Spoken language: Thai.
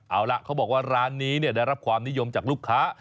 เอาล่ะเขาบอกว่าร้านนี้ได้รับความนิยมจากลูกค้า